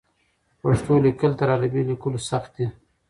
پښتو لیکل تر عربي لیکلو سخت دي.